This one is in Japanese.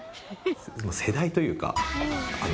世代というかあの。